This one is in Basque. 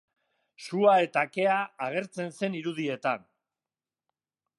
Sua eta kea agertzen zen irudietan.